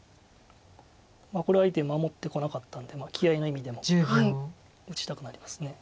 これは相手守ってこなかったんで気合いの意味でも打ちたくなります。